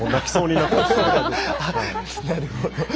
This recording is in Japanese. なるほど。